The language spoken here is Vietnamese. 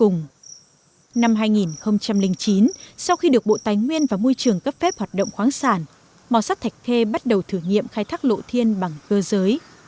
năm hai nghìn chín sau khi được bộ tài nguyên và môi trường cấp phép hoạt động khoáng sản mỏ sắt thạch khê bắt đầu thử nghiệm khai thác lộ thiên bằng cơ giới